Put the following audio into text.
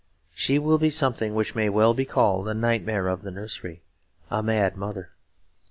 She will be something which may well be called a nightmare of the nursery; a mad mother.